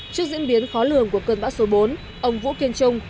trước diễn biến khó lường của cơn bão số bốn ông vũ kiên trung